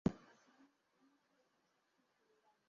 Luego comenzó a estudiar derecho pero pronto lo abandonó.